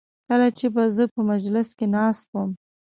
کله چې به زه په مجلس کې ناست وم.